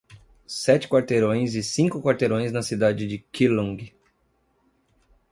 Sete quarteirões e cinco quarteirões na cidade de Keelung